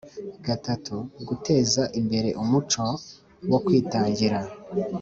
iii Guteza imbere umuco wo kwitangira